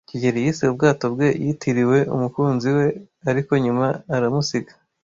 kigeli yise ubwato bwe yitiriwe umukunzi we, ariko nyuma aramusiga.